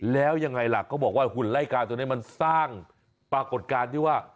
แล้วยังไงล่ะเขาบอกว่าหุ่นไล่กาตัวนี้มันสร้างปรากฏการณ์ที่ว่า